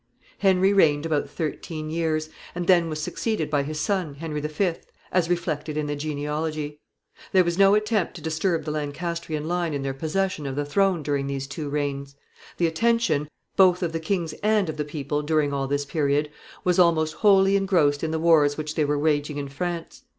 Henry reigned about thirteen years, and then was succeeded by his son, Henry V., as appears by the table. There was no attempt to disturb the Lancastrian line in their possession of the throne during these two reigns. The attention, both of the kings and of the people, during all this period, was almost wholly engrossed in the wars which they were waging in France.